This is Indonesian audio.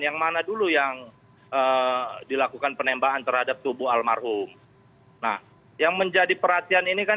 yang mana dulu yang dilakukan penembakan terhadap tubuh almarhum nah yang menjadi perhatian ini kan